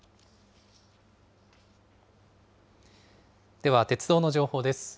では鉄道の情報です。